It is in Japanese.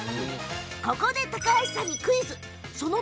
ここで高橋さん、クイズです。